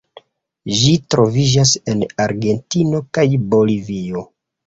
Ĝi troviĝas en Argentino kaj Bolivio.